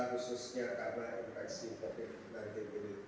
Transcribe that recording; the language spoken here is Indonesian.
khususnya karena infeksi covid sembilan belas ini